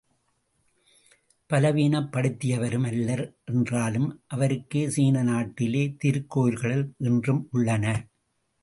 பலவீனப் படுத்தியவரும் அல்லர் என்றாலும், அவருக்கு சீனா நாட்டிலே திருக்கோயில்கள் இன்றும் உள்ளன!